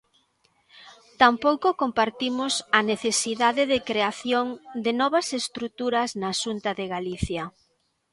Tampouco compartimos a necesidade de creación de novas estruturas na Xunta de Galicia.